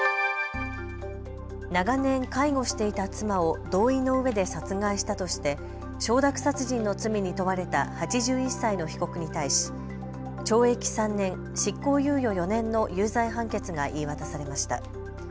長年介護していた妻を同意のうえで殺害したとして承諾殺人の罪に問われた８１歳の被告に対し懲役３年、執行猶予４年の有罪判決が言い渡されました。